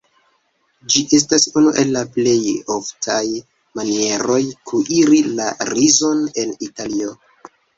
Ĝi estas unu el la plej oftaj manieroj kuiri la rizon en Italio.